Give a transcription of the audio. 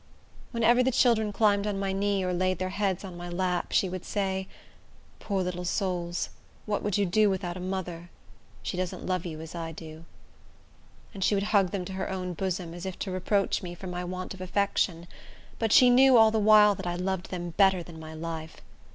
Whenever the children climbed on my knee, or laid their heads on my lap, she would say, "Poor little souls! what would you do without a mother? She don't love you as I do." And she would hug them to her own bosom, as if to reproach me for my want of affection; but she knew all the while that I loved them better than my life.